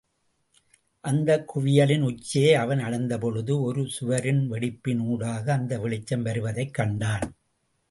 அந்தக் குவியலின் உச்சியை அவன் அடைந்தபொழுது ஒரு சுவரின் வெடிப்பின் ஊடாக அந்த வெளிச்சம் வருவதைக் கண்டான்.